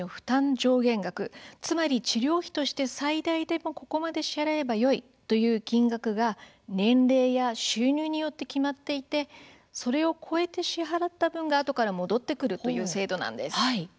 上限額つまり治療費として最大でここまで支払えばよいという金額が年齢や収入によって決まっていてそれを超えて支払った分があとから戻ってくるという制度なんです。